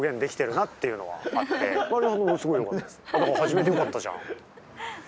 「始めてよかったじゃん」。